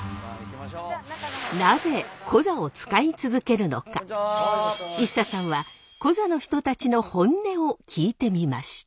なぜコザを使い続けるのかＩＳＳＡさんはコザの人たちの本音を聞いてみました。